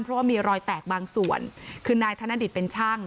เพราะว่ามีรอยแตกบางส่วนคือนายธนดิตเป็นช่าง